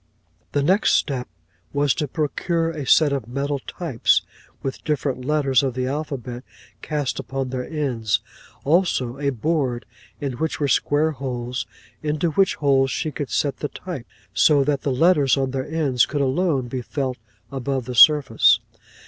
'The next step was to procure a set of metal types, with the different letters of the alphabet cast upon their ends; also a board, in which were square holes, into which holes she could set the types; so that the letters on their ends could alone be felt above the surface.